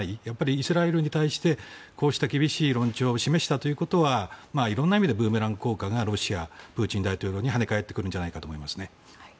イスラエルに対してこうした厳しい論調を示したということは色んな意味でブーメラン効果がロシア、プーチン大統領に跳ね返ってくるんじゃないかと思います。